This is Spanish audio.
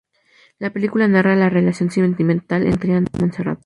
La película narra la relación sentimental entre Anna y Montserrat.